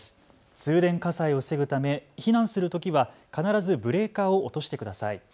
通電火災を防ぐため避難するときは必ずブレーカーを落としてください。